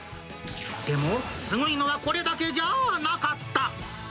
でも、すごいのはこれだけじゃなかった。